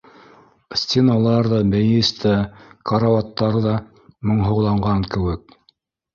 Стеналар ҙа, мейес тә, карауаттар ҙа моңһоуланған кеүек.